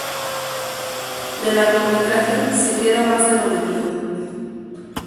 De largometraje, se queda más de lo debido".